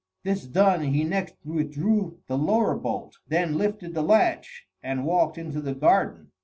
This done, he next withdrew the lower bolt; then lifted the latch, and walked into the garden.